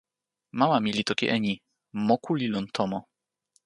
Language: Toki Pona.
mama mi li toki e ni: moku li lon tomo.